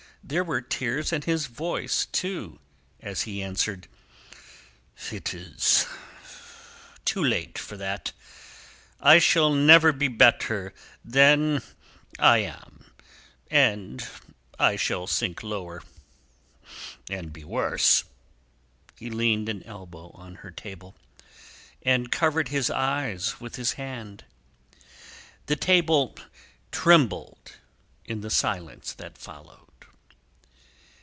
There were tears in his voice too, as he answered: "It is too late for that. I shall never be better than I am. I shall sink lower, and be worse." He leaned an elbow on her table, and covered his eyes with his hand. The table trembled in the silence that followed.